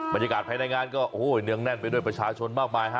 บรรยากาศภายในงานก็โอ้โหเนืองแน่นไปด้วยประชาชนมากมายฮะ